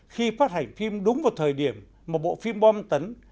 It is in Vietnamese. khi phát hành phim đúng vào thời điểm mà bộ phim bom tấn